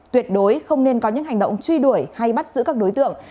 tuyệt đối không nên có những hành động truy đuổi hay bắt giữ các đối tượng